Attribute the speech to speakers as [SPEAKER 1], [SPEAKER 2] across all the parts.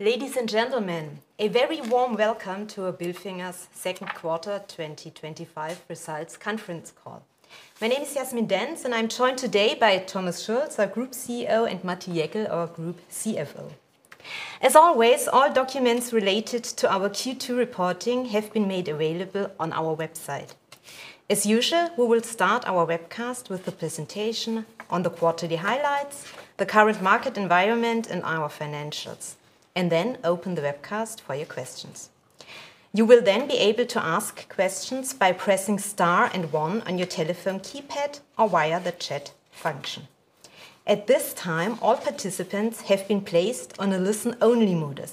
[SPEAKER 1] Ladies and gentlemen, a very warm welcome to our Bilfinger second quarter 2025 results conference call. My name is Jasmin Dentz and I'm joined today by Thomas Schulz, our Group CEO, and Matti Jäkel, our Group CFO. As always, all documents related to our Q2 reporting have been made available on our website. As usual, we will start our webcast with a presentation on the quarterly highlights, the current market environment, and our financials, and then open the webcast for your questions. You will then be able to ask questions by pressing star and one on your telephone keypad or via the chat function. At this time, all participants have been placed on a listen-only mode.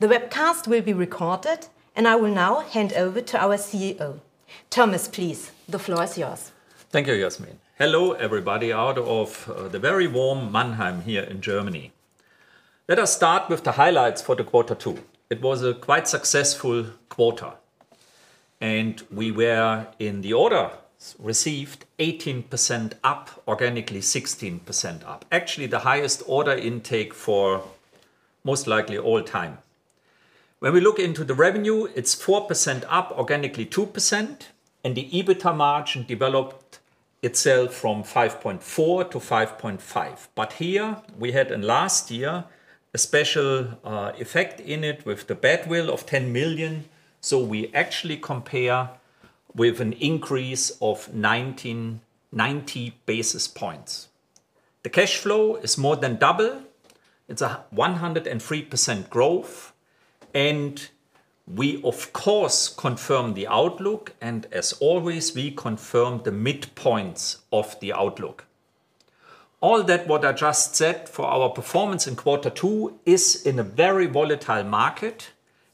[SPEAKER 1] The webcast will be recorded and I will now hand over to our CEO. Thomas, please, the floor is yours.
[SPEAKER 2] Thank you, Jasmin. Hello everybody out of the very warm Mannheim here in Germany. Let us start with the highlights for the quarter two. It was a quite successful quarter. We were, in the order, received 18% up, organically 16% up. Actually, the highest order intake for most likely all time. When we look into the revenue, it's 4% up, organically 2%, and the EBITDA margin developed itself from 5.4% to 5.5%. Here we had, in last year, a special effect in it with the badwill of 10 million. We actually compare with an increase of 1990 basis points. The cash flow is more than double. It's a 103% growth. We, of course, confirm the outlook. As always, we confirm the mid points of the outlook. All that what I just said for our performance in quarter two is in a very volatile market.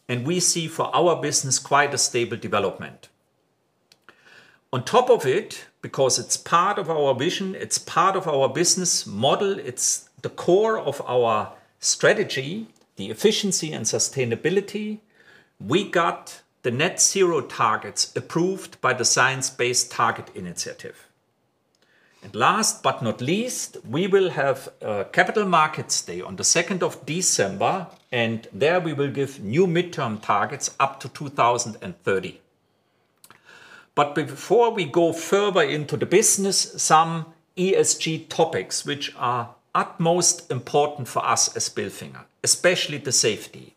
[SPEAKER 2] We see for our business quite a stable development. On top of it, because it's part of our vision, it's part of our business model, it's the core of our strategy, the efficiency and sustainability, we got the Net Zero Targets approved by the Science Based Targets initiative. Last but not least, we will have a Capital Markets Day on the 2nd of December, and there we will give new midterm targets up to 2030. Before we go further into the business, some ESG topics which are utmost important for us as Bilfinger, especially the safety.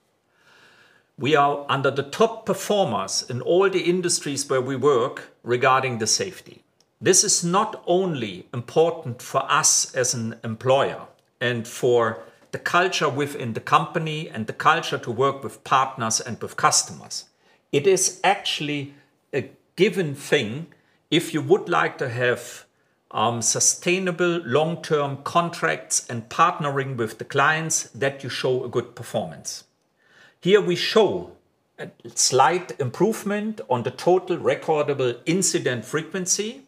[SPEAKER 2] We are under the top performers in all the industries where we work regarding the safety. This is not only important for us as an employer and for the culture within the company and the culture to work with partners and with customers. It is actually a given thing if you would like to have sustainable long-term contracts and partnering with the clients that you show a good performance. Here we show a slight improvement on the Total Recordable Incident Frequency.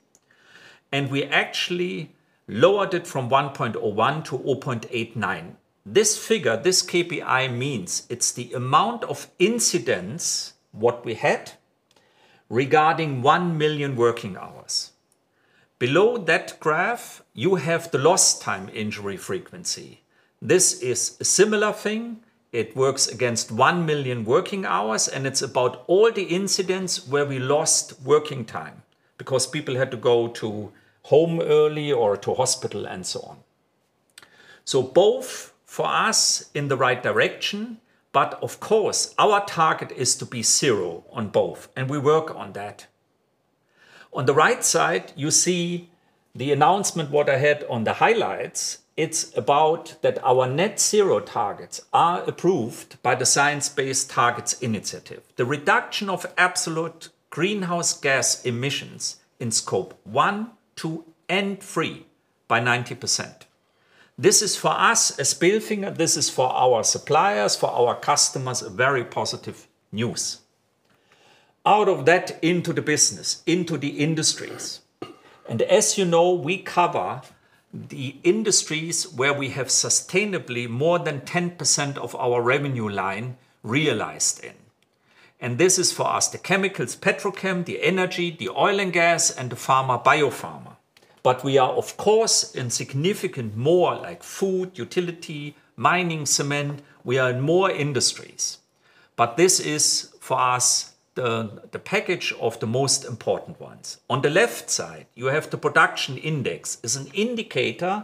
[SPEAKER 2] We actually lowered it from 1.01 to 0.89. This figure, this KPI means it's the amount of incidents what we had regarding 1 million working hours. Below that graph, you have the Lost Time Injury Frequency. This is a similar thing. It works against 1 million working hours, and it's about all the incidents where we lost working time because people had to go to home early or to hospital and so on. Both for us in the right direction, but of course, our target is to be zero on both, and we work on that. On the right side, you see the announcement what I had on the highlights. It's about that our Net Zero Targets are approved by the Science Based Targets initiative. The reduction of absolute greenhouse gas emissions in scope one, two, and three by 90%. This is for us as Bilfinger, this is for our suppliers, for our customers, a very positive news. Out of that, into the business, into the industries. As you know, we cover the industries where we have sustainably more than 10% of our revenue line realized in. This is for us the chemicals, petrochem, the energy, the oil and gas, and the pharma, biopharma. We are, of course, in significantly more like food, utility, mining, cement. We are in more industries. This is for us the package of the most important ones. On the left side, you have the production index. It's an indicator of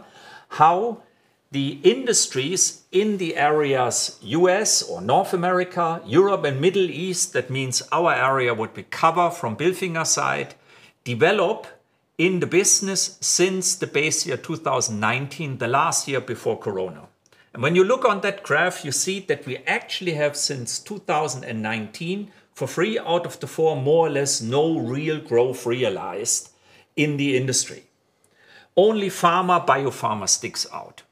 [SPEAKER 2] how the industries in the areas U.S. or North America, Europe, and Middle East, that means our area would be covered from Bilfinger's side, develop in the business since the base year 2019, the last year before corona. When you look on that graph, you see that we actually have since 2019 for three out of the four, more or less no real growth realized in the industry. Only pharma, biopharma sticks out.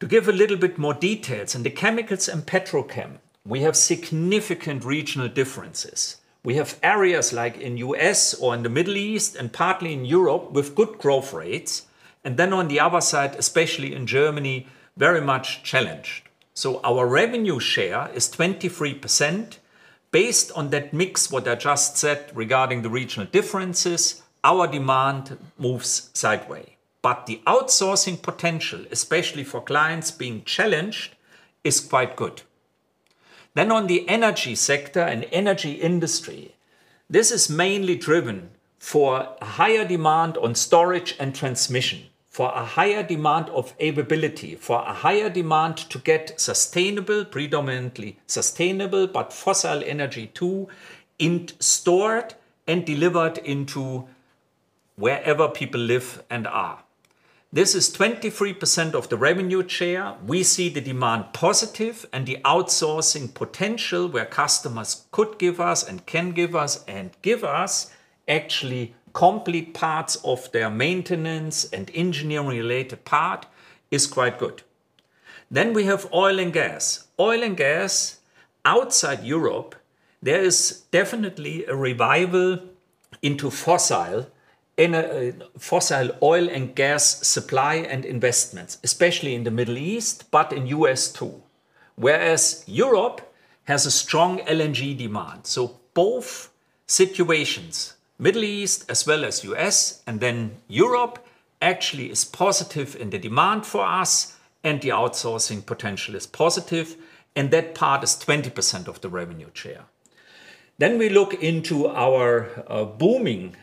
[SPEAKER 2] To give a little bit more details, in the chemicals and petrochem, we have significant regional differences. We have areas like in the U.S. or in the Middle East and partly in Europe with good growth rates. On the other side, especially in Germany, very much challenged. Our revenue share is 23%. Based on that mix what I just said regarding the regional differences, our demand moves sideways. The outsourcing potential, especially for clients being challenged, is quite good. In the energy sector and energy industry, this is mainly driven for a higher demand on storage and transmission, for a higher demand of availability, for a higher demand to get sustainable, predominantly sustainable, but fossil energy too stored and delivered into wherever people live and are. This is 23% of the revenue share. We see the demand positive and the outsourcing potential where customers could give us and can give us and give us actually complete parts of their maintenance and engineering-related part is quite good. We have oil and gas. Oil and gas outside Europe, there is definitely a revival into fossil oil and gas supply and investments, especially in the Middle East, but in the U.S. too. Europe has a strong LNG demand. Both situations, Middle East as well as U.S., and then Europe actually is positive in the demand for us, and the outsourcing potential is positive. That part is 20% of the revenue share. We look into our booming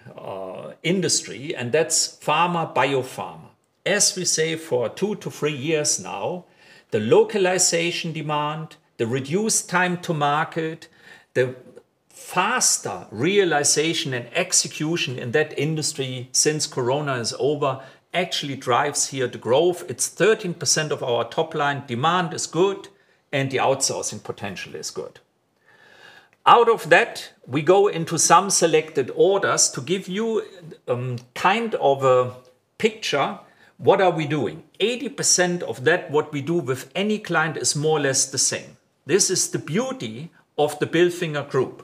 [SPEAKER 2] industry, and that's pharma, biopharma. As we say for two to three years now, the localization demand, the reduced time to market, the faster realization and execution in that industry since corona is over actually drives here the growth. It's 13% of our top line. Demand is good, and the outsourcing potential is good. Out of that, we go into some selected orders to give you a kind of a picture. What are we doing? 80% of that what we do with any client is more or less the same. This is the beauty of the Bilfinger group.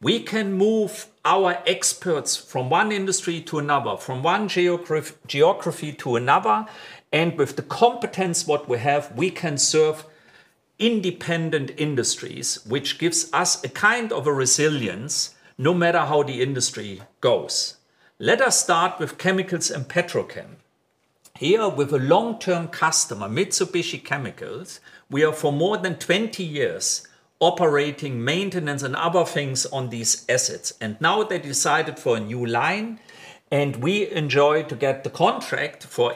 [SPEAKER 2] We can move our experts from one industry to another, from one geography to another, and with the competence that we have, we can serve independent industries, which gives us a kind of a resilience no matter how the industry goes. Let us start with chemicals and petrochem. Here with a long-term customer, Mitsubishi Chemical, we are for more than 20 years operating maintenance and other things on these assets. Now they decided for a new line, and we enjoy to get the contract for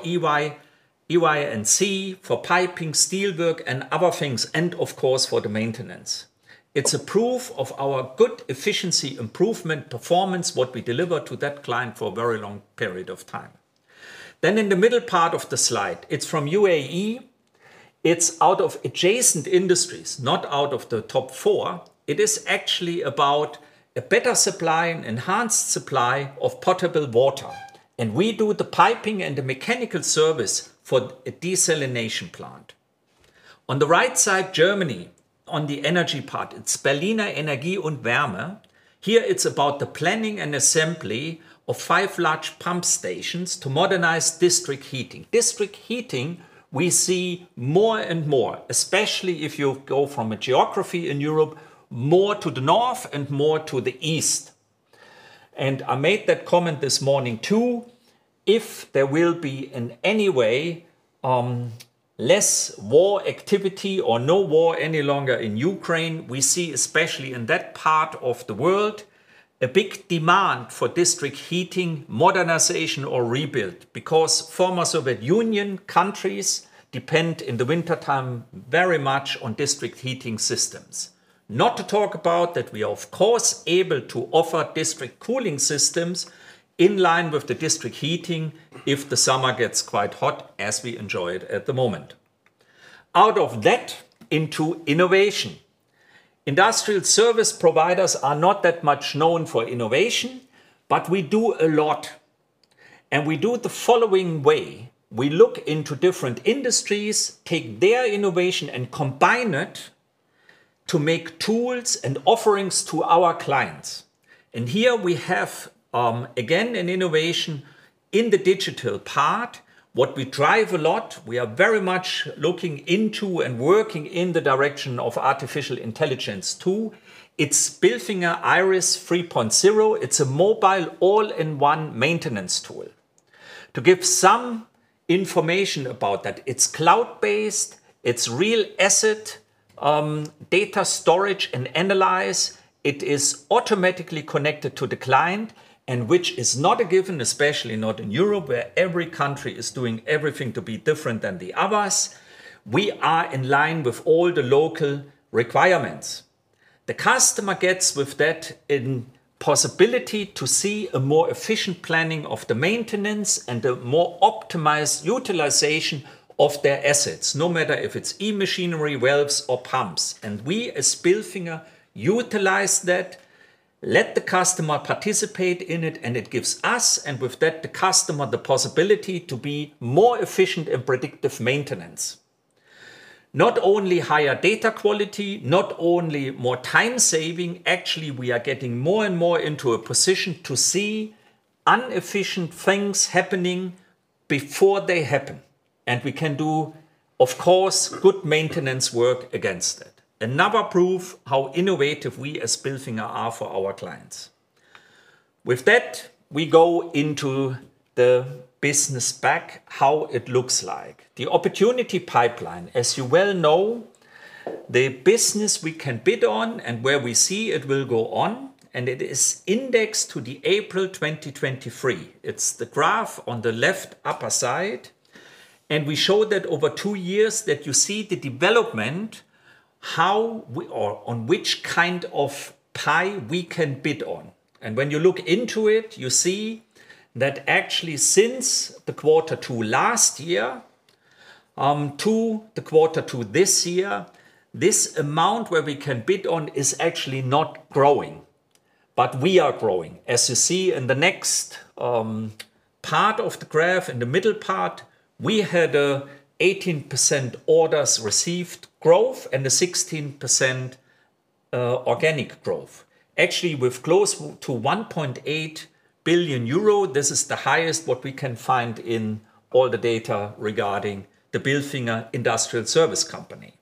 [SPEAKER 2] EYNC for piping, steel work, and other things, and of course for the maintenance. It's a proof of our good efficiency improvement performance that we deliver to that client for a very long period of time. In the middle part of the slide, it's from UAE. It's out of adjacent industries, not out of the top four. It is actually about a better supply and enhanced supply of potable water. We do the piping and the mechanical service for a desalination plant. On the right side, Germany, on the energy part, it's Berliner Energie und Wärme. Here it's about the planning and assembly of five large pump stations to modernize district heating. District heating, we see more and more, especially if you go from a geography in Europe, more to the north and more to the east. I made that comment this morning too. If there will be in any way less war activity or no war any longer in Ukraine, we see especially in that part of the world a big demand for district heating modernization or rebuild because former Soviet Union countries depend in the wintertime very much on district heating systems. Not to talk about that we are, of course, able to offer district cooling systems in line with the district heating if the summer gets quite hot as we enjoy it at the moment. Out of that, into innovation. Industrial service providers are not that much known for innovation, but we do a lot. We do it the following way. We look into different industries, take their innovation and combine it to make tools and offerings to our clients. Here we have, again, an innovation in the digital part. What we drive a lot, we are very much looking into and working in the direction of artificial intelligence too. It's Bilfinger Iris 3.0. It's a mobile all-in-one maintenance tool. To give some information about that, it's cloud-based. It's real asset data storage and analyze. It is automatically connected to the client, which is not a given, especially not in Europe where every country is doing everything to be different than the others. We are in line with all the local requirements. The customer gets with that the possibility to see a more efficient planning of the maintenance and a more optimized utilization of their assets, no matter if it's e-machinery, valves, or pumps. We as Bilfinger utilize that, let the customer participate in it, and it gives us, and with that, the customer the possibility to be more efficient in predictive maintenance. Not only higher data quality, not only more time saving, actually we are getting more and more into a position to see inefficient things happening before they happen. We can do, of course, good maintenance work against that. Another proof how innovative we as Bilfinger are for our clients. With that, we go into the business back, how it looks like. The opportunity pipeline, as you well know, the business we can bid on and where we see it will go on, and it is indexed to April 2023. It's the graph on the left upper side. We show that over two years that you see the development, how we are, on which kind of pie we can bid on. When you look into it, you see that actually since the quarter two last year to the quarter two this year, this amount where we can bid on is actually not growing. We are growing. As you see in the next part of the graph, in the middle part, we had 18% orders received growth and the 16% organic growth. We've closed to 1.8 billion euro. This is the highest what we can find in all the data regarding the Bilfinger Industrial Service Company.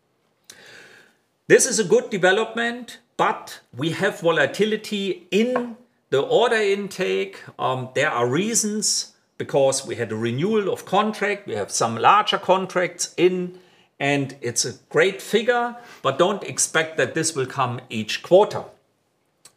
[SPEAKER 2] This is a good development, but we have volatility in the order intake. There are reasons because we had a renewal of contract. We have some larger contracts in, and it's a great figure, but don't expect that this will come each quarter.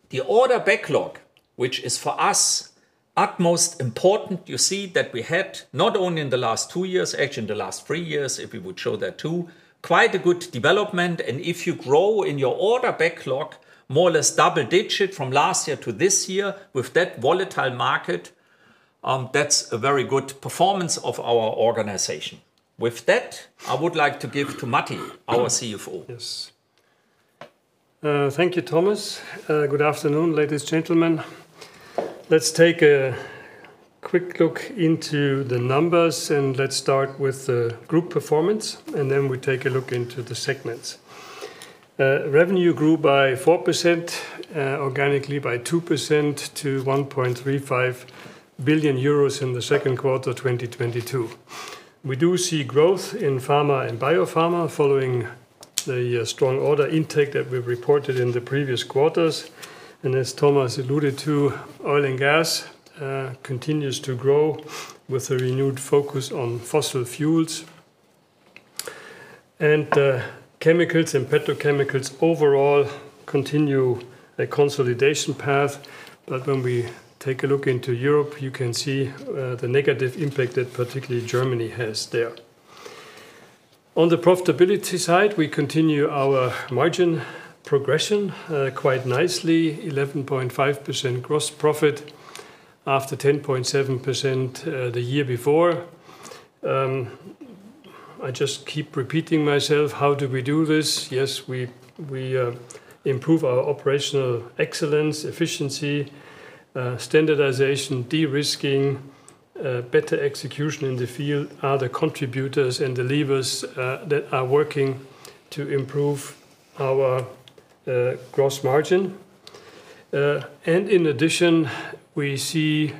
[SPEAKER 2] The order backlog, which is for us utmost important, you see that we had not only in the last two years, actually in the last three years, if we would show that too, quite a good development. If you grow in your order backlog, more or less double digit from last year to this year with that volatile market, that's a very good performance of our organization. With that, I would like to give to Matti, our CFO.
[SPEAKER 3] Yes. Thank you, Thomas. Good afternoon, ladies, gentlemen. Let's take a quick look into the numbers and let's start with the group performance, and then we take a look into the segments. Revenue grew by 4%, organically by 2% to 1.35 billion euros in the second quarter of 2022. We do see growth in pharma and biopharma following the strong order intake that we reported in the previous quarters. As Thomas alluded to, oil and gas continues to grow with a renewed focus on fossil fuels. Chemicals and petrochemicals overall continue a consolidation path. When we take a look into Europe, you can see the negative impact that particularly Germany has there. On the profitability side, we continue our margin progression quite nicely, 11.5% gross profit after 10.7% the year before. I just keep repeating myself, how do we do this? Yes, we improve our operational excellence, efficiency, standardization, de-risking, better execution in the field are the contributors and the levers that are working to improve our gross margin. In addition, we see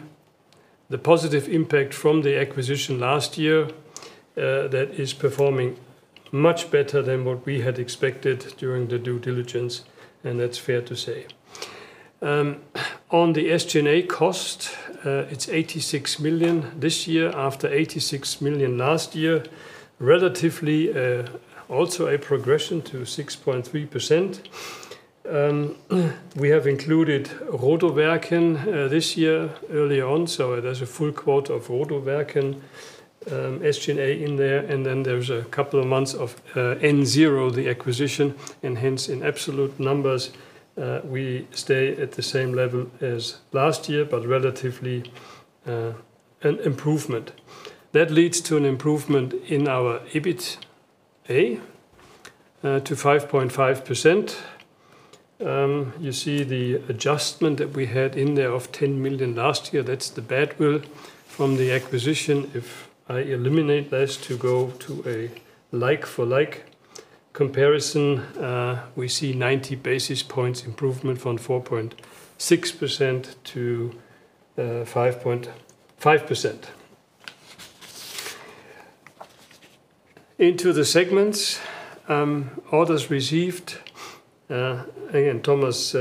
[SPEAKER 3] the positive impact from the acquisition last year that is performing much better than what we had expected during the due diligence, and that's fair to say. On the SG&A cost, it's 86 million this year after 86 million last year, relatively also a progression to 6.3%. We have included Rohde & Werk this year early on, so there's a full quarter of Rohde & Werk SG&A in there, and then there's a couple of months of N0, the acquisition, and hence in absolute numbers, we stay at the same level as last year, but relatively an improvement. That leads to an improvement in our EBIT to 5.5%. You see the adjustment that we had in there of 10 million last year. That's the badwill from the acquisition. If I eliminate this to go to a like-for-like comparison, we see 90 basis points improvement from 4.6% to 5.5%. Into the segments, orders received, again, Thomas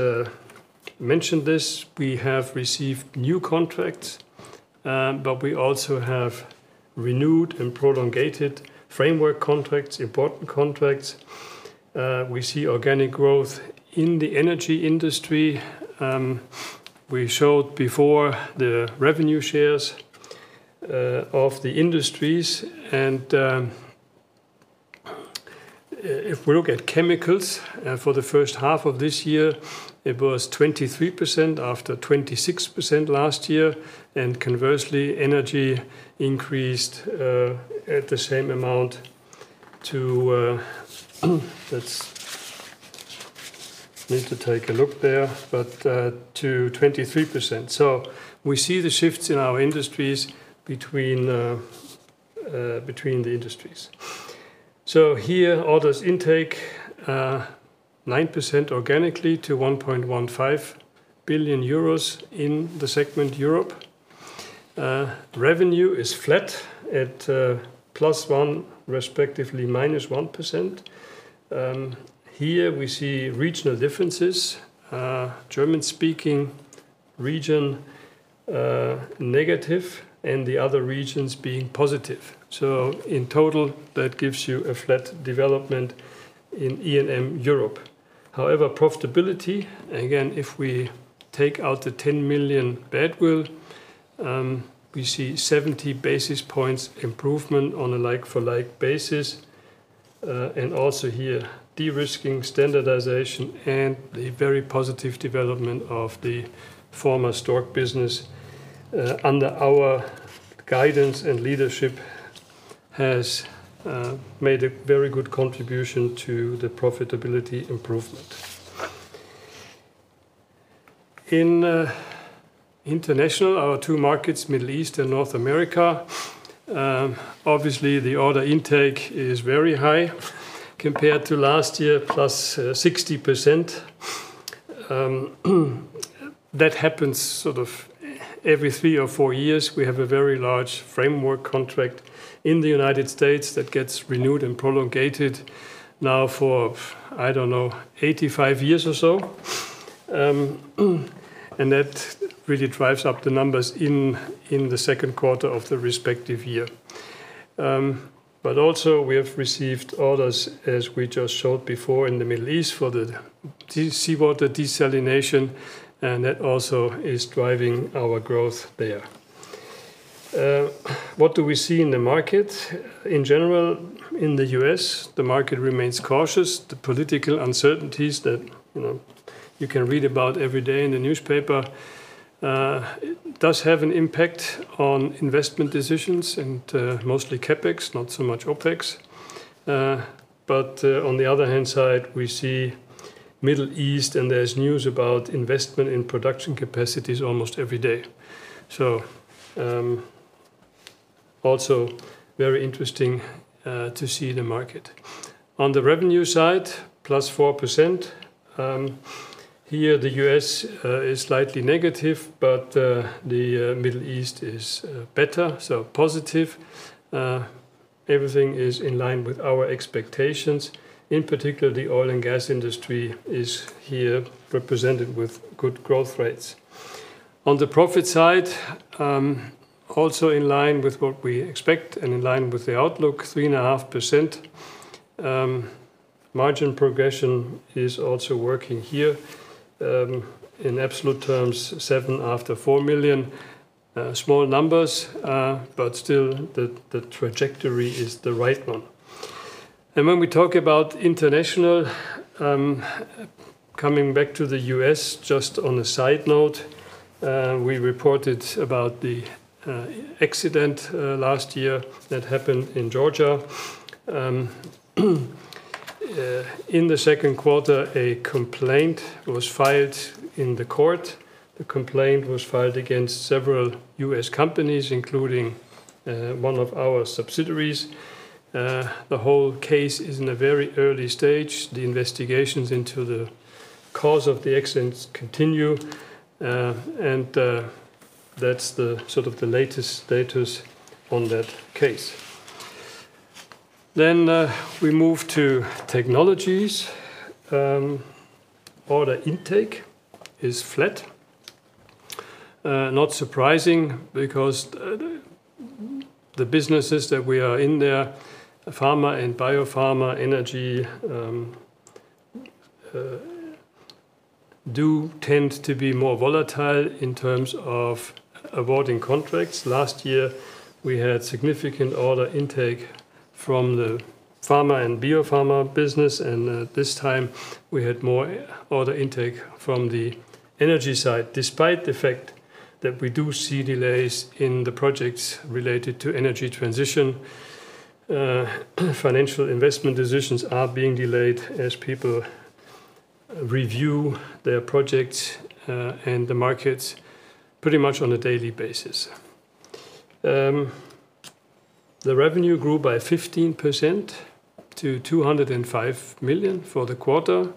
[SPEAKER 3] mentioned this, we have received new contracts, but we also have renewed and prolongated framework contracts, important contracts. We see organic growth in the energy industry. We showed before the revenue shares of the industries, and if we look at chemicals for the first half of this year, it was 23% after 26% last year, and conversely, energy increased at the same amount to, that's need to take a look there, but to 23%. We see the shifts in our industries between the industries. Here, order intake is 9% organically to 1.15 billion euros in the segment Europe. Revenue is flat at +1%, respectively -1%. We see regional differences, German-speaking region negative and the other regions being positive. In total, that gives you a flat development in E&M Europe. However, profitability, again, if we take out the 10 million badwill, we see 70 basis points improvement on a like-for-like basis. Also here, de-risking, standardization, and the very positive development of the former Stork business under our guidance and leadership has made a very good contribution to the profitability improvement. In International, our two markets, Middle East and North America, obviously, the order intake is very high compared to last year, plus 60%. That happens every three or four years. We have a very large framework contract in the United States that gets renewed and prolonged now for, I don't know, 85 years or so. That really drives up the numbers in the second quarter of the respective year. Also, we have received orders, as we just showed before, in the Middle East for the seawater desalination, and that also is driving our growth there. What do we see in the markets? In general, in the U.S., the market remains cautious. The political uncertainties that you can read about every day in the newspaper do have an impact on investment decisions and mostly CapEx, not so much OpEx. On the other hand, we see Middle East and there's news about investment in production capacities almost every day. Also very interesting to see the market. On the revenue side, plus 4%. Here, the U.S. is slightly negative, but the Middle East is better, so positive. Everything is in line with our expectations. In particular, the oil and gas industry is here represented with good growth rates. On the profit side, also in line with what we expect and in line with the outlook, 3.5%. Margin progression is also working here. In absolute terms, seven after 4 million. Small numbers, but still the trajectory is the right one. When we talk about International, coming back to the U.S., just on a side note, we reported about the accident last year that happened in Georgia. In the second quarter, a complaint was filed in the court. The complaint was filed against several U.S. companies, including one of our subsidiaries. The whole case is in a very early stage. The investigations into the cause of the accident continue, and that's the sort of the latest status on that case. We move to Technologies. Order intake is flat, not surprising because the businesses that we are in there, pharma and biopharma and energy, do tend to be more volatile in terms of awarding contracts. Last year, we had significant order intake from the pharma/biopharma business, and this time we had more order intake from the energy side, despite the fact that we do see delays in the projects related to energy transition. Financial investment decisions are being delayed as people review their projects and the markets pretty much on a daily basis. The revenue grew by 15% to 205 million for the quarter.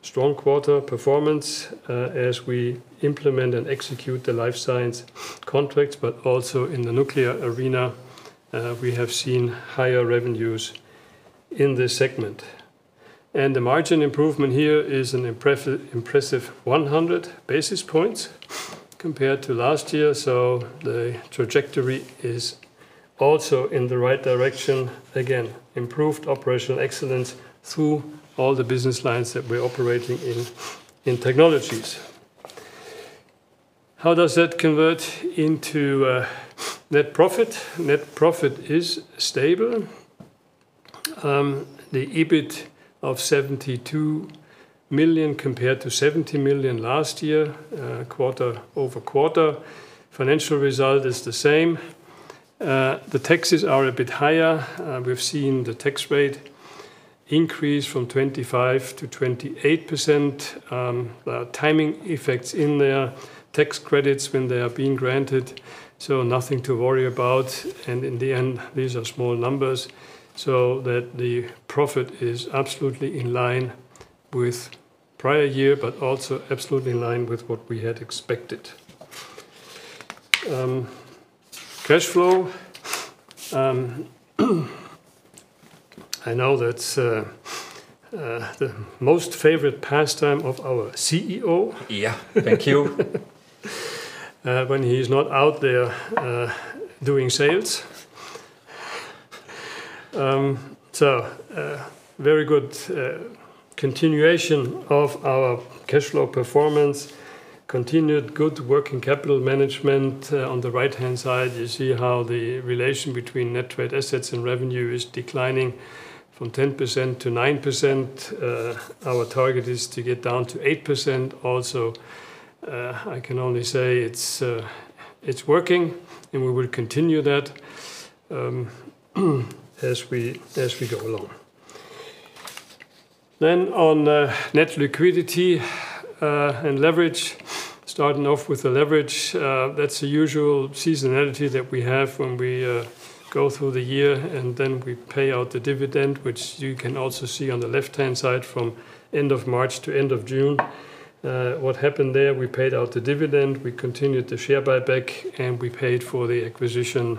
[SPEAKER 3] Strong quarter performance as we implement and execute the life science contracts, but also in the nuclear arena, we have seen higher revenues in this segment. The margin improvement here is an impressive 100 basis points compared to last year. The trajectory is also in the right direction. Again, improved operational excellence through all the business lines that we're operating in in Technologies. How does that convert into net profit? Net profit is stable. The EBIT of 72 million compared to 70 million last year, quarter over quarter. Financial result is the same. The taxes are a bit higher. We've seen the tax rate increase from 25% to 28%. There are timing effects in there, tax credits when they are being granted. Nothing to worry about. In the end, these are small numbers so that the profit is absolutely in line with prior year, but also absolutely in line with what we had expected. Cash flow, I know that's the most favorite pastime of our CEO.
[SPEAKER 2] Thank you.
[SPEAKER 3] When he's not out there doing sales. Very good continuation of our cash flow performance. Continued good working capital management. On the right-hand side, you see how the relation between net trade assets and revenue is declining from 10% to 9%. Our target is to get down to 8%. I can only say it's working, and we will continue that as we go along. On net liquidity and leverage, starting off with the leverage, that's the usual seasonality that we have when we go through the year and then we pay out the dividend, which you can also see on the left-hand side from end of March to end of June. What happened there, we paid out the dividend, we continued the share buyback, and we paid for the acquisition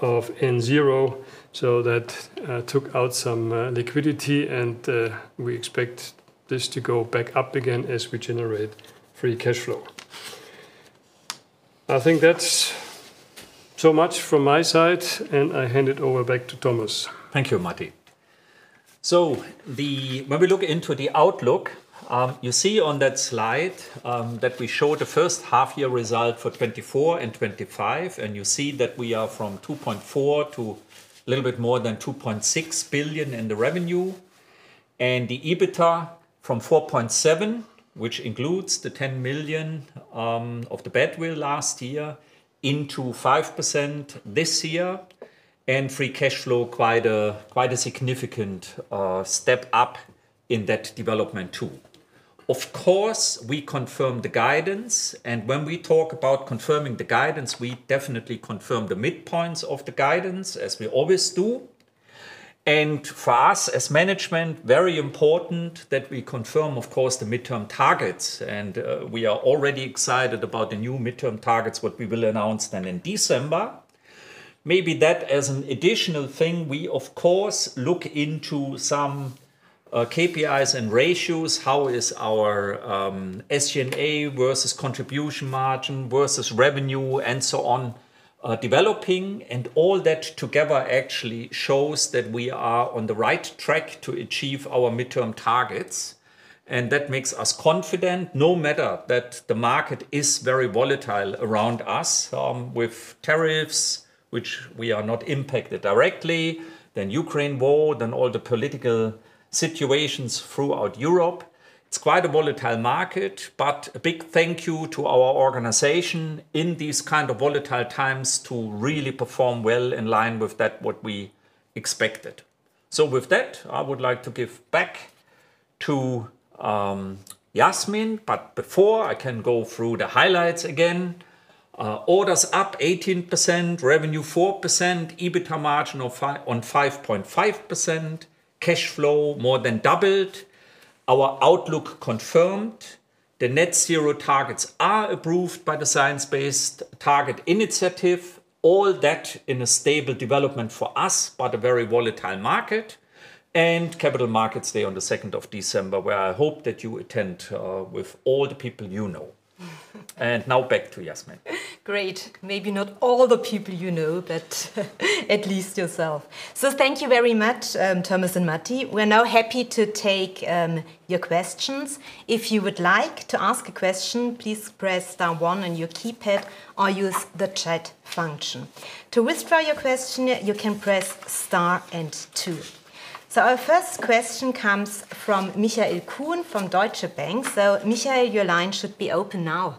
[SPEAKER 3] of N0. That took out some liquidity and we expect this to go back up again as we generate free cash flow. I think that's so much from my side, and I hand it over back to Thomas.
[SPEAKER 2] Thank you, Matti. When we look into the outlook, you see on that slide that we show the first half-year result for 2024 and 2025, and you see that we are from 2.4 billion to a little bit more than 2.6 billion in the revenue. The EBITDA from 47 million, which includes the 10 million of the badwill last year, into 5% this year, and free cash flow, quite a significant step up in that development too. Of course, we confirm the guidance, and when we talk about confirming the guidance, we definitely confirm the midpoints of the guidance, as we always do. For us as management, very important that we confirm, of course, the midterm targets. We are already excited about the new midterm targets, what we will announce then in December. Maybe that as an additional thing, we, of course, look into some KPIs and ratios. How is our SG&A versus contribution margin versus revenue and so on developing? All that together actually shows that we are on the right track to achieve our midterm targets. That makes us confident, no matter that the market is very volatile around us with tariffs, which we are not impacted directly, then Ukraine war, then all the political situations throughout Europe. It's quite a volatile market, but a big thank you to our organization in these kind of volatile times to really perform well in line with that, what we expected. I would like to give back to Jasmin, but before I can go through the highlights again, orders up 18%, revenue 4%, EBITDA margin on 5.5%, cash flow more than doubled, our outlook confirmed, the Net Zero Targets are approved by the Science Based Targets initiative. All that in a stable development for us, but a very volatile market. Capital Markets Day on the 2nd of December, where I hope that you attend with all the people you know. Now back to Jasmin.
[SPEAKER 1] Great. Maybe not all the people you know, but at least yourself. Thank you very much, Thomas and Matti. We're now happy to take your questions. If you would like to ask a question, please press star one on your keypad or use the chat function. To whisper your question, you can press star and two. Our first question comes from Michael Kuhn from Deutsche Bank. Michael, your line should be open now.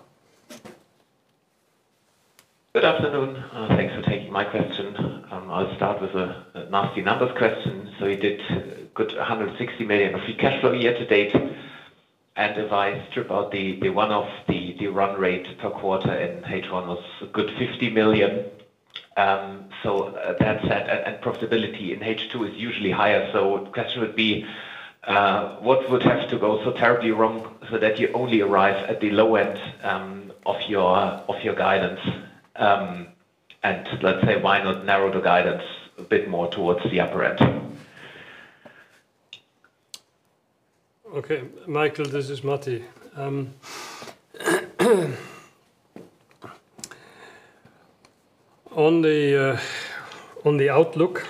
[SPEAKER 4] Good afternoon. Thanks for taking my question. I'll start with a number of questions. You did a good 160 million of free cash flow year to date. If I strip out the one-off, the run rate per quarter in H1 was a good 50 million. That said, profitability in H2 is usually higher. The question would be, what would drive to go so terribly wrong so that you only arrive at the low end of your guidance? Why not narrow the guidance a bit more towards the upper end?
[SPEAKER 3] Okay. Michael, this is Matti. On the outlook,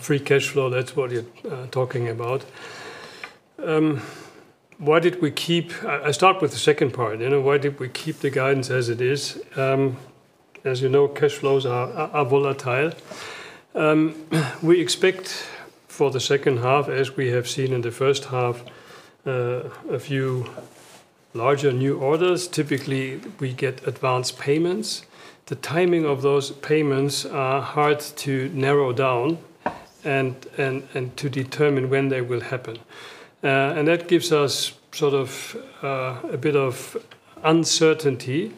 [SPEAKER 3] free cash flow, that's what you're talking about. Why did we keep, I start with the second part. Why did we keep the guidance as it is? As you know, cash flows are volatile. We expect for the second half, as we have seen in the first half, a few larger new orders. Typically, we get advanced payments. The timing of those payments is hard to narrow down and to determine when they will happen. That gives us a bit of uncertainty.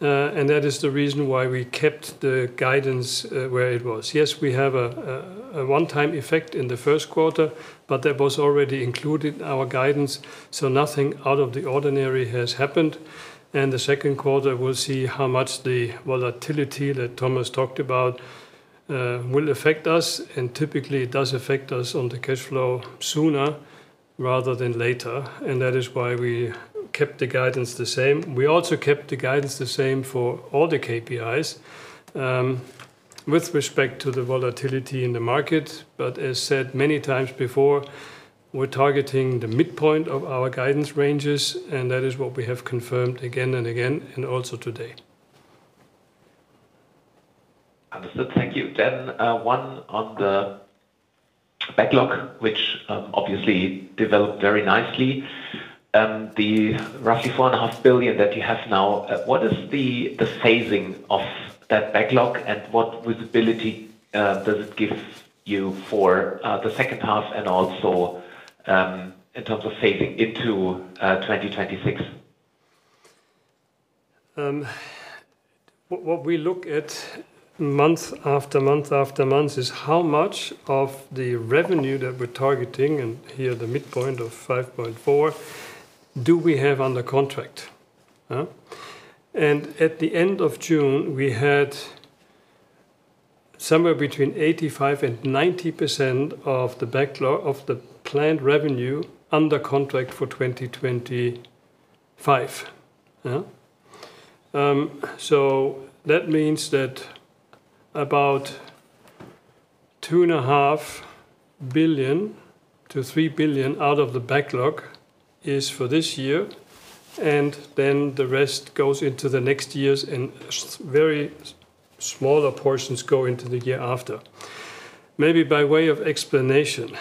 [SPEAKER 3] That is the reason why we kept the guidance where it was. Yes, we have a one-time effect in the first quarter, but that was already included in our guidance. Nothing out of the ordinary has happened. The second quarter, we'll see how much the volatility that Thomas talked about will affect us. Typically, it does affect us on the cash flow sooner rather than later. That is why we kept the guidance the same. We also kept the guidance the same for all the KPIs with respect to the volatility in the market. As said many times before, we're targeting the midpoint of our guidance ranges. That is what we have confirmed again and again, and also today.
[SPEAKER 4] Understood. Thank you. One on the backlog, which obviously developed very nicely. The roughly 4.5 billion that you have now, what is the phasing of that backlog and what visibility does it give you for the second half and also in terms of phasing into 2026?
[SPEAKER 3] What we look at month after month after month is how much of the revenue that we're targeting, and here the midpoint of 5.4 billion, do we have under contract? At the end of June, we had somewhere between 85% and 90% of the planned revenue under contract for 2025. That means that about 2.5 billion to 3 billion out of the backlog is for this year. The rest goes into the next year's and very smaller portions go into the year after. Maybe by way of explanation,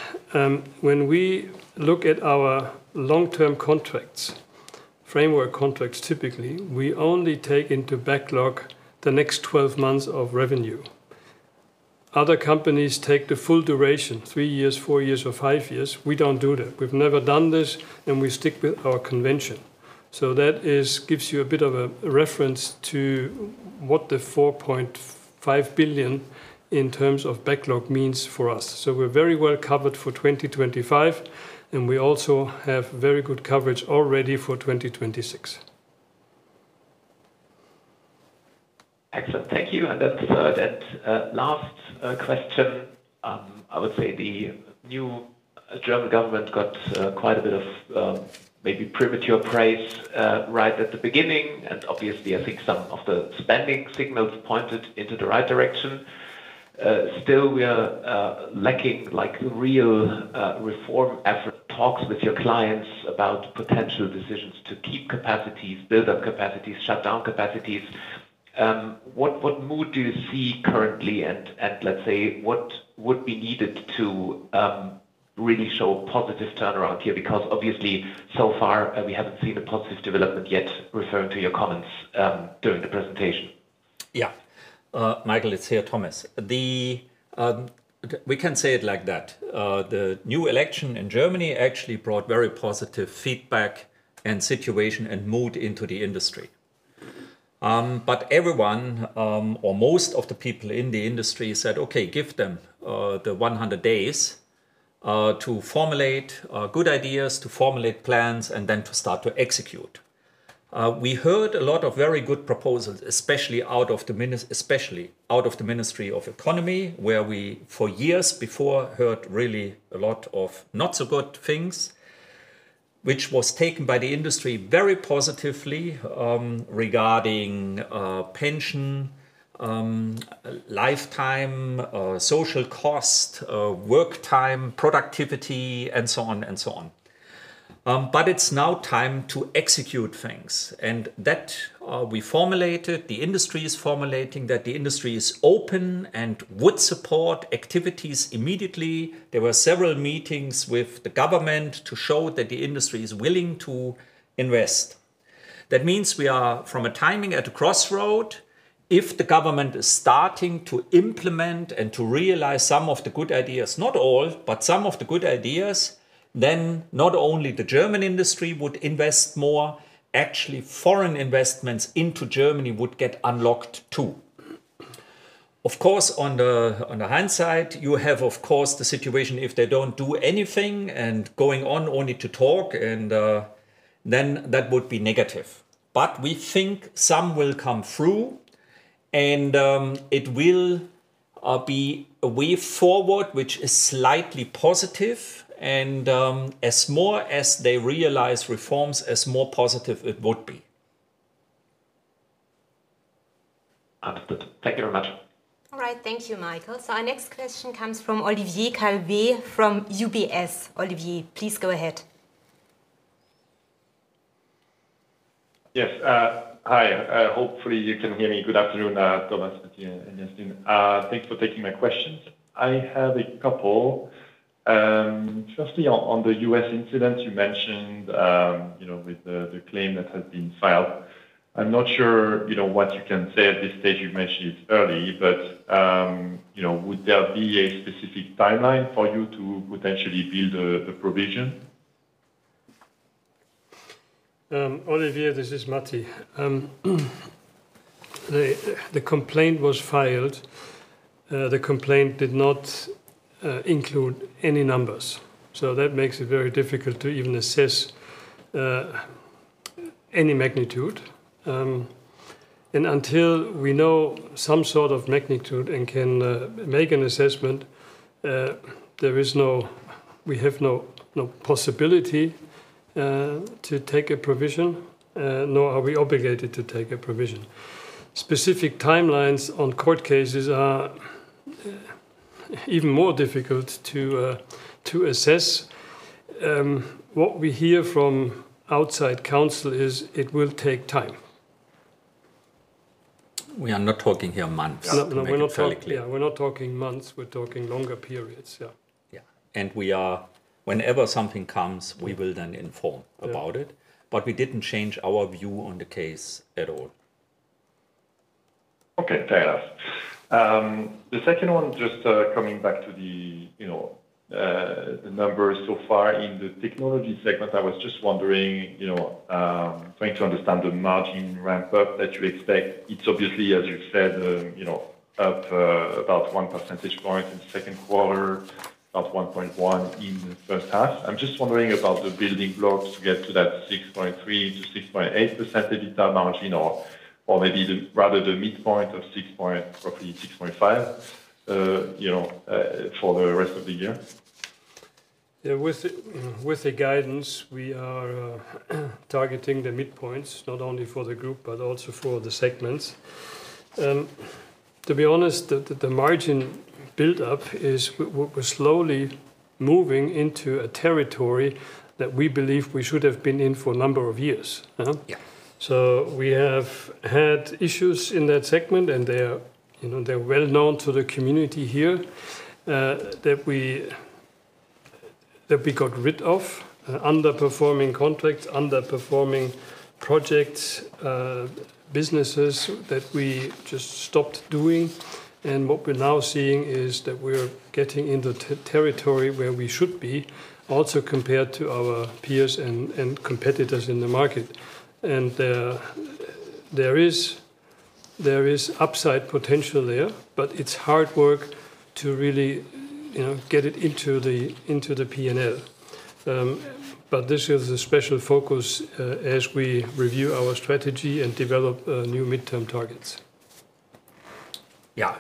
[SPEAKER 3] when we look at our long-term contracts, framework contracts typically, we only take into backlog the next 12 months of revenue. Other companies take the full duration, three years, four years, or five years. We don't do that. We've never done this, and we stick with our convention. That gives you a bit of a reference to what the 4.5 billion in terms of backlog means for us. We're very well covered for 2025, and we also have very good coverage already for 2026.
[SPEAKER 4] Excellent. Thank you. That last question. I would say the new German government got quite a bit of maybe premature praise right at the beginning. Obviously, I think some of the spending signals pointed in the right direction. Still, we are lacking real reform effort. Talks with your clients about potential decisions to keep capacities, build up capacities, shut down capacities. What mood do you see currently, and let's say what would be needed to really show a positive turnaround here? Obviously, so far we haven't seen a positive development yet, referring to your comments during the presentation.
[SPEAKER 2] Yeah. Michael, it's here, Thomas. We can say it like that. The new election in Germany actually brought very positive feedback and situation and mood into the industry. Everyone or most of the people in the industry said, okay, give them the 100 days to formulate good ideas, to formulate plans, and then to start to execute. We heard a lot of very good proposals, especially out of the Ministry of Economy, where we for years before heard really a lot of not so good things, which was taken by the industry very positively regarding pension, lifetime, social cost, work time, productivity, and so on and so on. It's now time to execute things. We formulated that the industry is formulating that the industry is open and would support activities immediately. There were several meetings with the government to show that the industry is willing to invest. That means we are from a timing at a crossroad. If the government is starting to implement and to realize some of the good ideas, not all, but some of the good ideas, then not only the German industry would invest more, actually foreign investments into Germany would get unlocked too. Of course, on the hand side, you have, of course, the situation if they don't do anything and going on only to talk, and then that would be negative. We think some will come through, and it will be a way forward, which is slightly positive. As more as they realize reforms, as more positive it would be.
[SPEAKER 4] Thank you very much.
[SPEAKER 1] All right. Thank you, Michael. Our next question comes from Olivier Calvet from UBS. Olivier, please go ahead.
[SPEAKER 5] Yes. Hi. Hopefully, you can hear me. Good afternoon, Thomas, Matti, and Jasmin. Thanks for taking my questions. I have a couple. Firstly, on the U.S. incident you mentioned, with the claim that has been filed. I'm not sure what you can say at this stage. You mentioned it's early, but would there be a specific timeline for you to potentially build the provision?
[SPEAKER 3] Olivier, this is Matti. The complaint was filed. The complaint did not include any numbers, which makes it very difficult to even assess any magnitude. Until we know some sort of magnitude and can make an assessment, there is no, we have no possibility to take a provision, nor are we obligated to take a provision. Specific timelines on court cases are even more difficult to assess. What we hear from outside counsel is it will take time.
[SPEAKER 2] We are not talking here months.
[SPEAKER 3] No, we're not talking months. We're talking longer periods, yeah.
[SPEAKER 2] Yeah, whenever something comes, we will then inform about it. We didn't change our view on the case at all.
[SPEAKER 5] Okay. Thanks. The second one, just coming back to the numbers so far in the Technologies segment, I was just wondering, you know, trying to understand the margin ramp-up that you expect. It's obviously, as you said, you know, up about 1 percentage point in the second quarter, about 1.1 in the first half. I'm just wondering about the building blocks to get to that 6.3% to 6.8% EBITDA margin or maybe rather the midpoint of 6.5%, you know, for the rest of the year.
[SPEAKER 3] With the guidance, we are targeting the midpoints, not only for the group, but also for the segments. To be honest, the margin buildup is we're slowly moving into a territory that we believe we should have been in for a number of years. We have had issues in that segment, and they're well known to the community here that we got rid of, underperforming contracts, underperforming projects, businesses that we just stopped doing. What we're now seeing is that we're getting into the territory where we should be, also compared to our peers and competitors in the market. There is upside potential there, but it's hard work to really, you know, get it into the P&L. This is a special focus as we review our strategy and develop new midterm targets.
[SPEAKER 2] Yeah,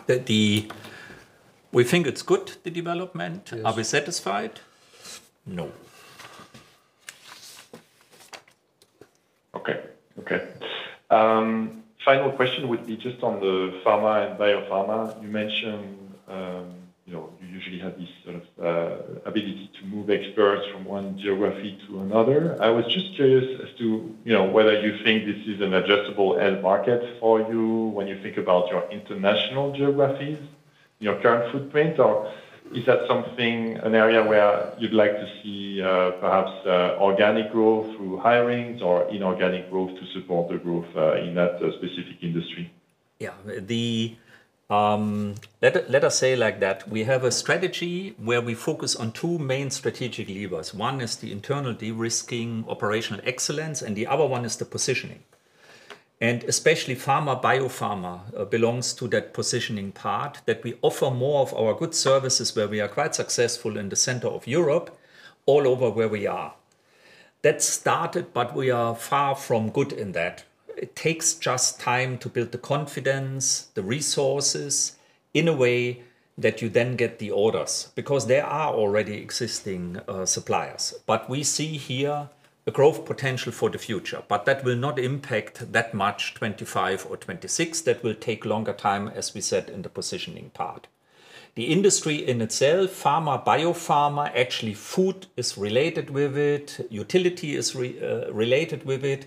[SPEAKER 2] we think it's good, the development. Are we satisfied? No.
[SPEAKER 5] Okay. Final question would be just on the pharma and biopharma. You mentioned, you know, you usually have this sort of ability to move experts from one geography to another. I was just curious as to whether you think this is an addressable end market for you when you think about your international geographies, your current footprint, or is that something, an area where you'd like to see perhaps organic growth through hirings or inorganic growth to support the growth in that specific industry?
[SPEAKER 2] Yeah. Let us say it like that. We have a strategy where we focus on two main strategic levers. One is the internal de-risking operational excellence, and the other one is the positioning. Especially pharma/biopharma belongs to that positioning part that we offer more of our good services where we are quite successful in the center of Europe, all over where we are. That started, but we are far from good in that. It takes just time to build the confidence, the resources in a way that you then get the orders because there are already existing suppliers. We see here a growth potential for the future. That will not impact that much 2025 or 2026. That will take longer time, as we said in the positioning part. The industry in itself, pharma/biopharma, actually food is related with it. Utility is related with it.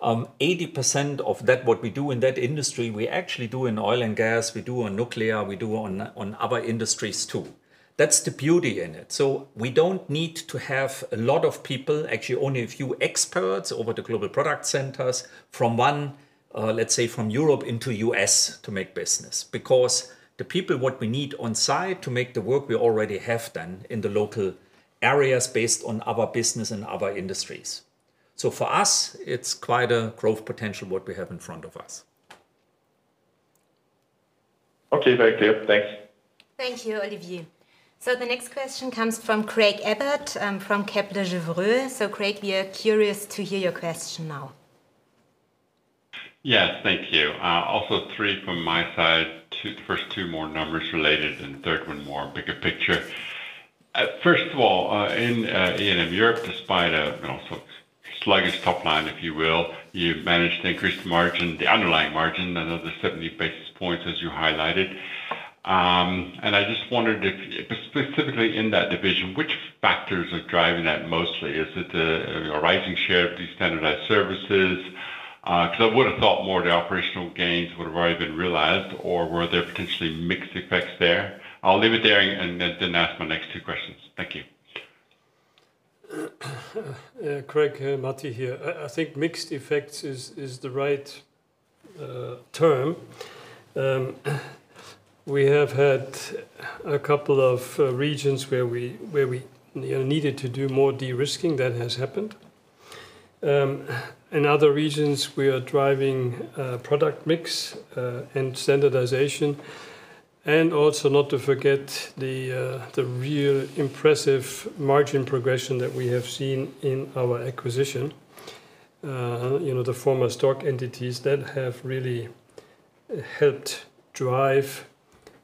[SPEAKER 2] 80% of that, what we do in that industry, we actually do in oil and gas. We do on nuclear. We do on other industries too. That's the beauty in it. We don't need to have a lot of people, actually only a few experts over the global product centers from one, let's say, from Europe into the U.S. to make business because the people, what we need on site to make the work we already have done in the local areas based on our business and our industries. For us, it's quite a growth potential what we have in front of us.
[SPEAKER 5] Okay. Very clear. Thanks.
[SPEAKER 1] Thank you, Olivier. The next question comes from Craig Abbott from Kepler Cheuvreux. Craig, we are curious to hear your question now.
[SPEAKER 6] Yes, thank you. Also three from my side. First, two more numbers related, and the third one more bigger picture. First of all, in E&M Europe, despite a sluggish top line, if you will, you managed to increase the margin, the underlying margin, another 70 basis points as you highlighted. I just wondered if specifically in that division, which factors are driving that mostly? Is it a rising share of de-standardized services? I would have thought more of the operational gains would have already been realized, or were there potentially mixed effects there? I'll leave it there and then ask my next two questions. Thank you.
[SPEAKER 3] Craig, Matti here. I think mixed effects is the right term. We have had a couple of regions where we needed to do more de-risking. That has happened. In other regions, we are driving product mix and standardization. Also, not to forget the real impressive margin progression that we have seen in our acquisition. You know, the former Stork entities that have really helped drive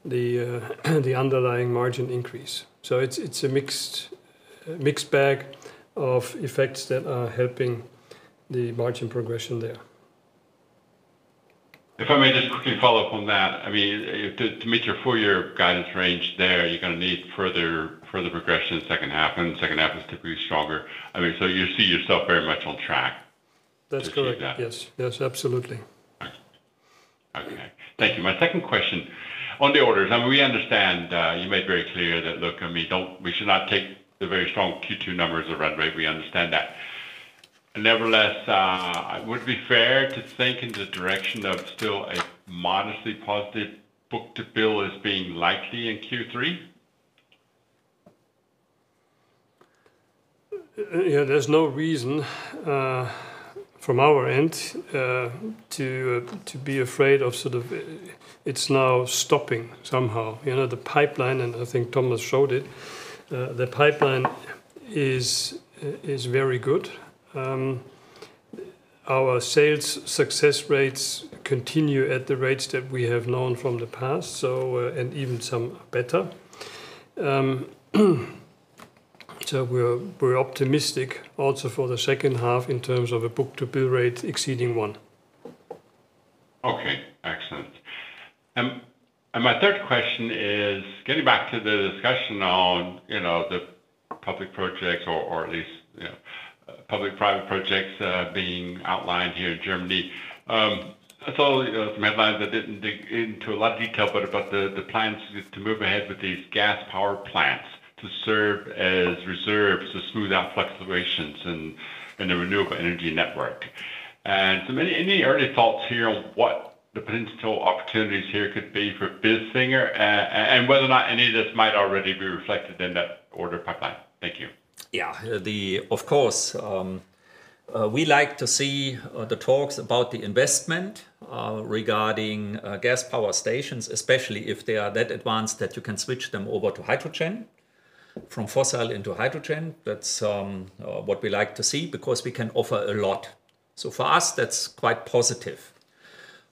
[SPEAKER 3] the underlying margin increase. It's a mixed bag of effects that are helping the margin progression there.
[SPEAKER 6] If I may just quickly follow up on that, to meet your four-year guidance range there, you're going to need further progression in the second half, and the second half is typically stronger. You see yourself very much on track.
[SPEAKER 3] That's correct. Yes, absolutely.
[SPEAKER 6] Okay. Thank you. My second question on the orders. We understand you made very clear that, look, we should not take the very strong Q2 numbers or run rate. We understand that. Nevertheless, would it be fair to think in the direction of still a modestly positive book to bill as being likely in Q3?
[SPEAKER 3] Yeah, there's no reason from our end to be afraid of sort of it's now stopping somehow. The pipeline, and I think Thomas showed it, the pipeline is very good. Our sales success rates continue at the rates that we have known from the past, and even some better. We're optimistic also for the second half in terms of a book to bill rate exceeding one.
[SPEAKER 6] Okay. Excellent. My third question is getting back to the discussion on the public projects or at least public-private energy infrastructure projects being outlined here in Germany. I saw some headlines that didn't dig into a lot of detail, but about the plans to move ahead with these gas power plants to serve as reserves to smooth out fluctuations in the renewable energy network. Any early thoughts here on what the potential opportunities could be for Bilfinger and whether or not any of this might already be reflected in that order pipeline? Thank you.
[SPEAKER 2] Yeah. Of course, we like to see the talks about the investment regarding gas power stations, especially if they are that advanced that you can switch them over to hydrogen, from fossil into hydrogen. That's what we like to see because we can offer a lot. For us, that's quite positive.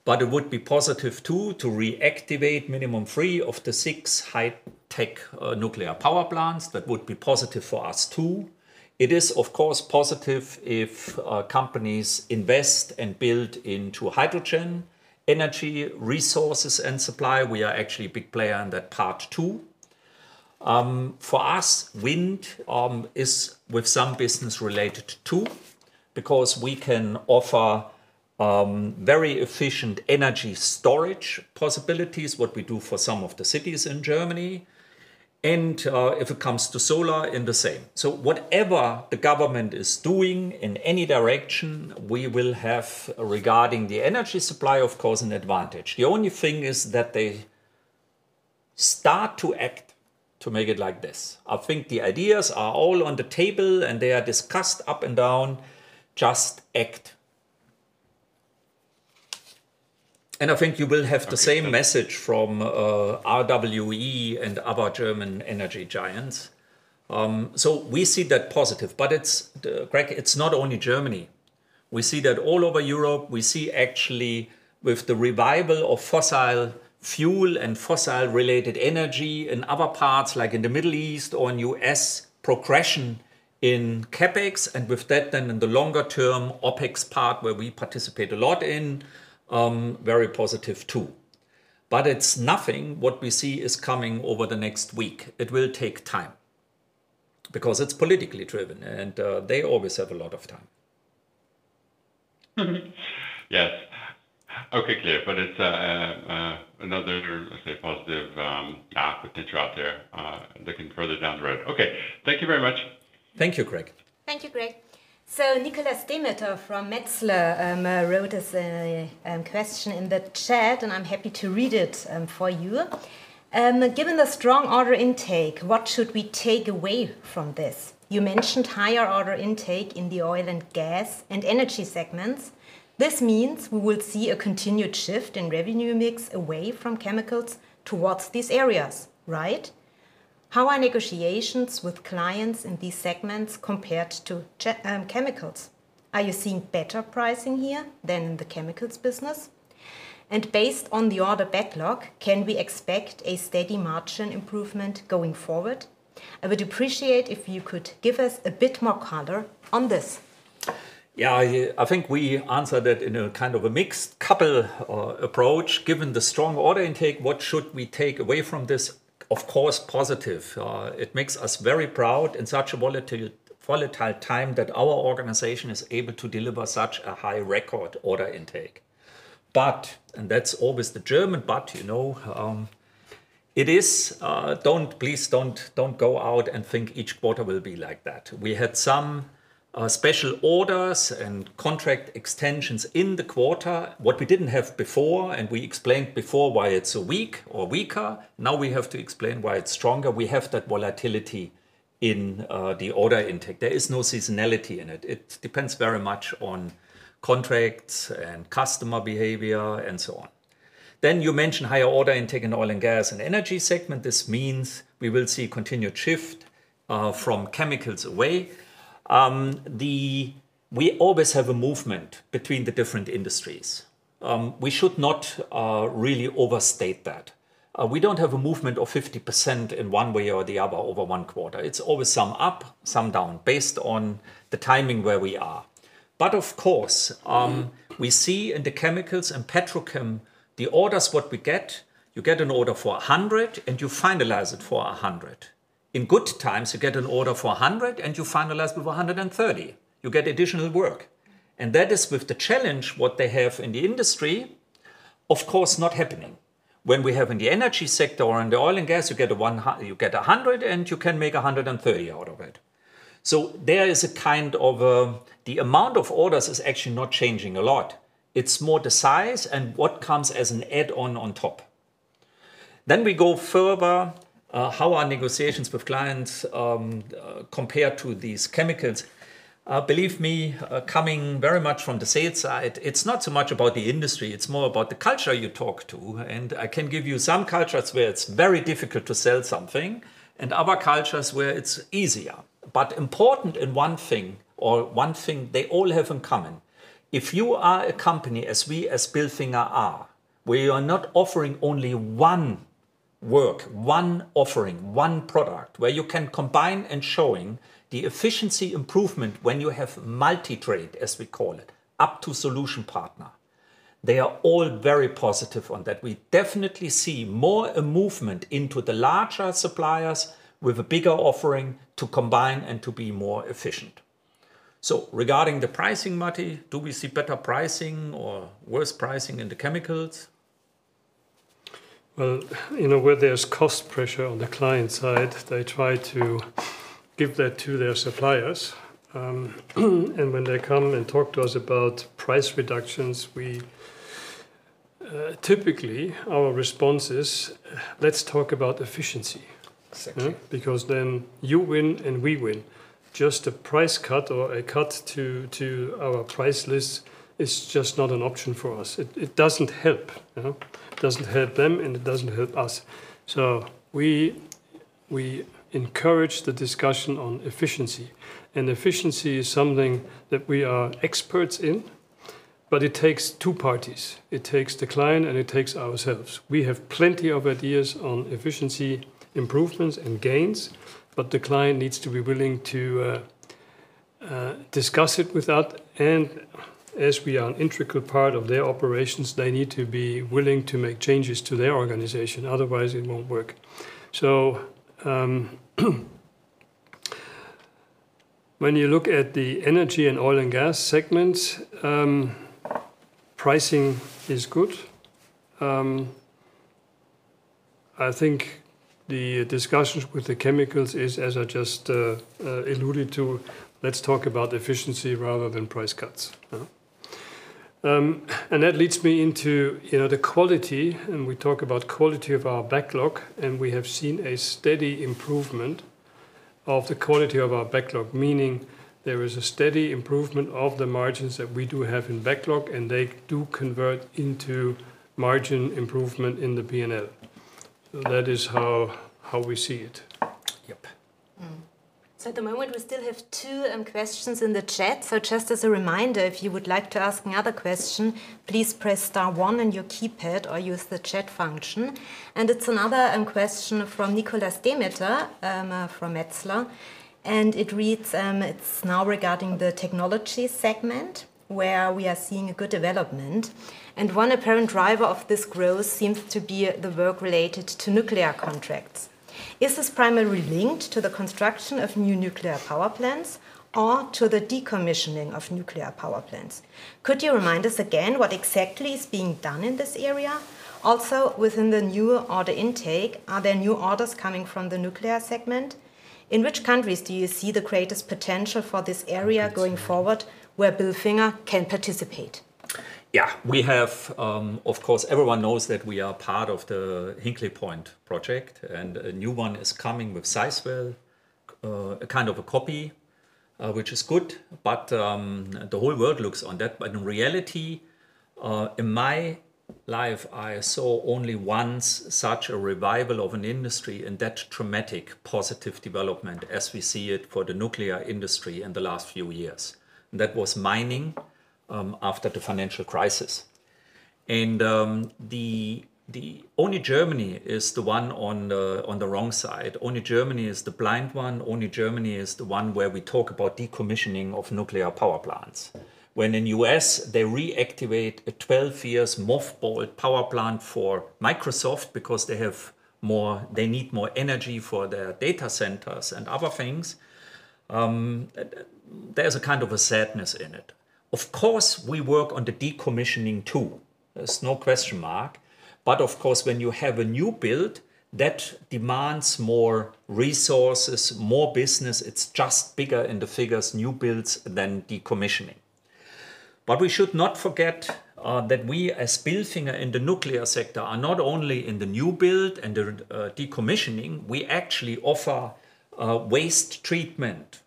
[SPEAKER 2] It would be positive too to reactivate minimum three of the six high-tech nuclear power plants. That would be positive for us too. It is, of course, positive if companies invest and build into hydrogen energy, resources, and supply. We are actually a big player in that part too. For us, wind is with some business related too because we can offer very efficient energy storage possibilities, what we do for some of the cities in Germany. If it comes to solar, in the same. Whatever the government is doing in any direction, we will have regarding the energy supply, of course, an advantage. The only thing is that they start to act to make it like this. I think the ideas are all on the table and they are discussed up and down, just act. I think you will have the same message from RWE and other German energy giants. We see that positive. It's not only Germany. We see that all over Europe, we see actually with the revival of fossil fuel and fossil-related energy in other parts, like in the Middle East or in the U.S., progression in CapEx. With that, then in the longer term, OpEx part where we participate a lot in, very positive too. It's nothing what we see is coming over the next week. It will take time because it's politically driven and they always have a lot of time.
[SPEAKER 6] Yes, okay, clear. It's another, let's say, positive potential out there looking further down the road. Okay, thank you very much.
[SPEAKER 2] Thank you, Craig.
[SPEAKER 1] Thank you, Craig. Nikolas Demeter from Metzler wrote us a question in the chat and I'm happy to read it for you. Given the strong order intake, what should we take away from this? You mentioned higher order intake in the oil and gas and energy segments. This means we will see a continued shift in revenue mix away from chemicals towards these areas, right? How are negotiations with clients in these segments compared to chemicals? Are you seeing better pricing here than in the chemicals business? Based on the order backlog, can we expect a steady margin improvement going forward? I would appreciate if you could give us a bit more color on this.
[SPEAKER 2] Yeah, I think we answered that in a kind of a mixed couple approach. Given the strong order intake, what should we take away from this? Of course, positive. It makes us very proud in such a volatile time that our organization is able to deliver such a high record order intake. However, and that's always the German, but you know, it is, please don't go out and think each quarter will be like that. We had some special orders and contract extensions in the quarter, which we didn't have before, and we explained before why it's so weak or weaker. Now we have to explain why it's stronger. We have that volatility in the order intake. There is no seasonality in it. It depends very much on contracts and customer behavior and so on. You mentioned higher order intake in the oil and gas and energy segment. This means we will see a continued shift from chemicals away. We always have a movement between the different industries. We should not really overstate that. We don't have a movement of 50% in one way or the other over one quarter. It's always some up, some down based on the timing where we are. Of course, we see in the chemicals and petrochem, the orders that we get, you get an order for 100 and you finalize it for 100. In good times, you get an order for 100 and you finalize with 130. You get additional work. That is with the challenge that they have in the industry, of course, not happening. When we have in the energy sector or in the oil and gas, you get 100 and you can make 130 out of it. There is a kind of the amount of orders is actually not changing a lot. It's more the size and what comes as an add-on on top. We go further, how our negotiations with clients compare to these chemicals. Believe me, coming very much from the sales side, it's not so much about the industry. It's more about the culture you talk to. I can give you some cultures where it's very difficult to sell something and other cultures where it's easier. Important in one thing, or one thing they all have in common. If you are a company, as we, as Bilfinger are, where you are not offering only one work, one offering, one product, where you can combine and show the efficiency improvement when you have multi-trade, as we call it, up to solution partner. They are all very positive on that. We definitely see more a movement into the larger suppliers with a bigger offering to combine and to be more efficient. Regarding the pricing, Matti, do we see better pricing or worse pricing in the chemicals?
[SPEAKER 3] Where there's cost pressure on the client side, they try to give that to their suppliers. When they come and talk to us about price reductions, we typically, our response is, let's talk about efficiency.
[SPEAKER 2] Exactly.
[SPEAKER 3] Because then you win and we win. Just a price cut or a cut to our price list is just not an option for us. It doesn't help. It doesn't help them and it doesn't help us. We encourage the discussion on efficiency. Efficiency is something that we are experts in, but it takes two parties. It takes the client and it takes ourselves. We have plenty of ideas on efficiency improvements and gains, but the client needs to be willing to discuss it with us. As we are an integral part of their operations, they need to be willing to make changes to their organization. Otherwise, it won't work. When you look at the energy and oil and gas segments, pricing is good. I think the discussions with the chemicals is, as I just alluded to, let's talk about efficiency rather than price cuts. That leads me into the quality, and we talk about the quality of our backlog, and we have seen a steady improvement of the quality of our backlog, meaning there is a steady improvement of the margins that we do have in backlog, and they do convert into margin improvement in the P&L. That is how we see it.
[SPEAKER 1] At the moment, we still have two questions in the chat. Just as a reminder, if you would like to ask another question, please press star one on your keypad or use the chat function. It's another question from Nikolas Demeter from Metzler. It reads, it's now regarding the technologies segment where we are seeing a good development. One apparent driver of this growth seems to be the work related to nuclear contracts. Is this primarily linked to the construction of new nuclear power plants or to the decommissioning of nuclear power plants? Could you remind us again what exactly is being done in this area? Also, within the new order intake, are there new orders coming from the nuclear segment? In which countries do you see the greatest potential for this area going forward where Bilfinger can participate?
[SPEAKER 2] Yeah, we have, of course, everyone knows that we are part of the Hinkley Point project, and a new one is coming with Sizewell, a kind of a copy, which is good, but the whole world looks on that. In reality, in my life, I saw only once such a revival of an industry in that dramatic positive development as we see it for the nuclear industry in the last few years. That was mining after the financial crisis. Only Germany is the one on the wrong side. Only Germany is the blind one. Only Germany is the one where we talk about decommissioning of nuclear power plants. When in the U.S., they reactivate a 12-year MOF board power plant for Microsoft because they need more energy for their data centers and other things. There's a kind of a sadness in it. Of course, we work on the decommissioning too. There's no question mark. When you have a new build that demands more resources, more business, it's just bigger in the figures, new builds than decommissioning. We should not forget that we as Bilfinger in the nuclear sector are not only in the new build and the decommissioning. We actually offer waste treatment.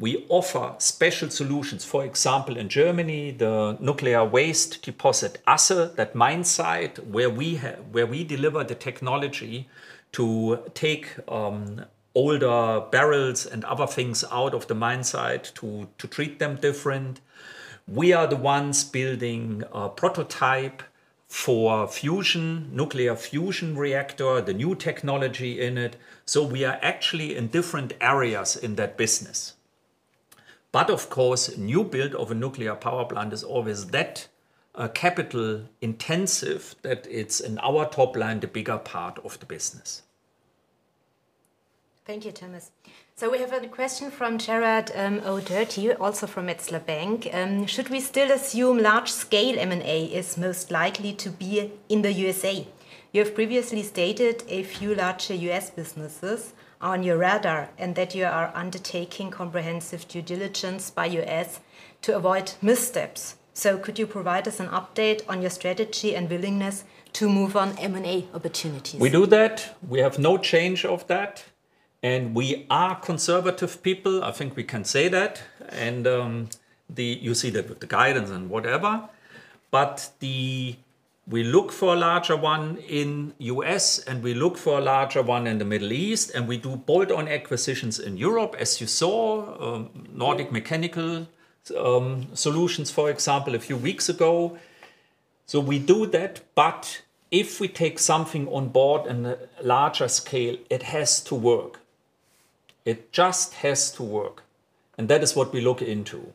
[SPEAKER 2] We offer special solutions. For example, in Germany, the nuclear waste deposit Asse, that mine site where we deliver the technology to take older barrels and other things out of the mine site to treat them different. We are the ones building a prototype for fusion, nuclear fusion reactor, the new technology in it. We are actually in different areas in that business. A new build of a nuclear power plant is always that capital intensive that it's in our top line, the bigger part of the business.
[SPEAKER 1] Thank you, Thomas. We have a question from Gerard O'Doherty, also from Metzler Bank. Should we still assume large-scale M&A is most likely to be in the U.S.A? You have previously stated a few larger U.S. businesses are on your radar and that you are undertaking comprehensive due diligence by U.S. to avoid missteps. Could you provide us an update on your strategy and willingness to move on M&A opportunities?
[SPEAKER 2] We do that. We have no change of that. We are conservative people. I think we can say that. You see that with the guidance and whatever. We look for a larger one in the U.S. and we look for a larger one in the Middle East. We do bolt-on acquisitions in Europe, as you saw, Nordic Mechanical Solutions, for example, a few weeks ago. We do that. If we take something on board in a larger scale, it has to work. It just has to work. That is what we look into.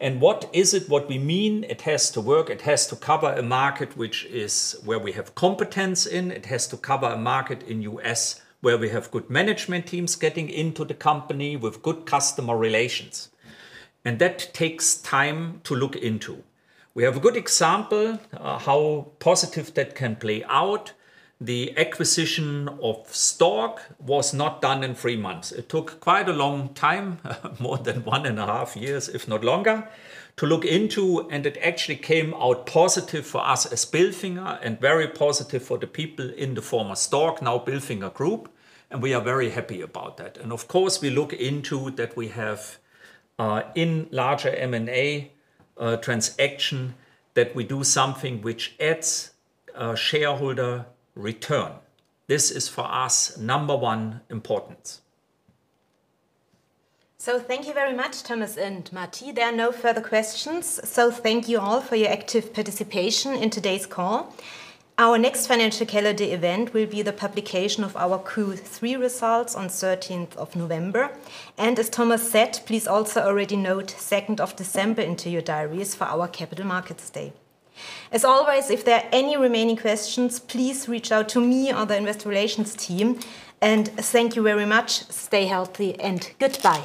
[SPEAKER 2] What is it, what we mean? It has to work. It has to cover a market which is where we have competence in. It has to cover a market in the U.S. where we have good management teams getting into the company with good customer relations. That takes time to look into. We have a good example of how positive that can play out. The acquisition of Stork was not done in three months. It took quite a long time, more than one and a half years, if not longer, to look into. It actually came out positive for us as Bilfinger and very positive for the people in the former Stork, now Bilfinger Group. We are very happy about that. Of course, we look into that we have in larger M&A transaction that we do something which adds a shareholder return. This is for us number one importance.
[SPEAKER 1] Thank you very much, Thomas and Matti. There are no further questions. Thank you all for your active participation in today's call. Our next financial calendar event will be the publication of our Q3 results on the 13th of November. As Thomas said, please also already note the 2nd of December in your diaries for our Capital Markets Day. As always, if there are any remaining questions, please reach out to me or the Investor Relations team. Thank you very much. Stay healthy and goodbye.